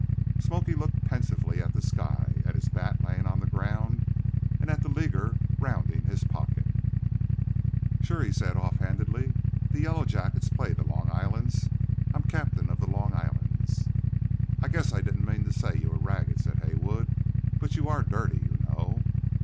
"Smoky" looked pensively at the sky, at his bat lying on the ground, and at the "leaguer" rounding his pocket. "Sure," he said, offhandedly. "The 'Yellowjackets' plays the 'Long Islands.' I'm cap'n of the 'Long Islands.'" "I guess I didn't mean to say you were ragged," said Haywood. "But you are dirty, you know."